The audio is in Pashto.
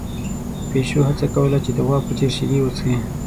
پيشو هڅه کوله چې د غوا په څېر شیدې وڅښي.